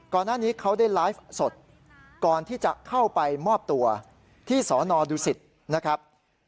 ก่อนหน้านี้เขาได้ไลฟ์สดก่อนที่จะเข้าไปมอบตัวที่สนดุสิตนะครับ